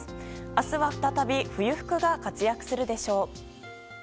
明日は、再び冬服が活躍するでしょう。